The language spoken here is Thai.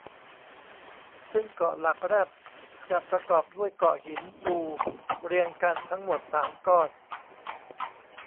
ซึ่งเกาะหลักแรดจะประกอบด้วยเกาะหินปูเรียงกันทั้งหมด สาม ก้อน